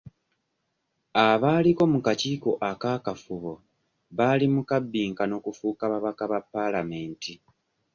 Abaaliko mu kakiiko akakafubo bali mu kabbinkano kufuuka babaka ba paalamenti.